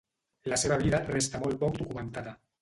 La seva vida resta molt poc documentada.